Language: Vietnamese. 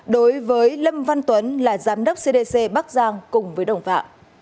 đối với lâm văn tuấn là giám đốc cdc bắc giang cùng với đồng phạm